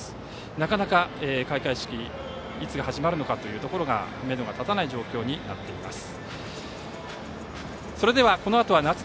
なかなか開会式いつ始まるのかというめどが立たない状況になっています。